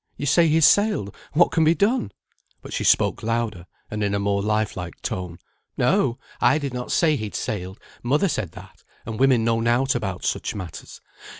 You say he's sailed; what can be done?" But she spoke louder, and in a more life like tone. "No! I did not say he'd sailed; mother said that, and women know nought about such matters.